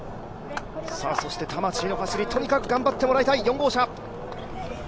そして魂の走り、とにかく頑張ってもらいたい４号車。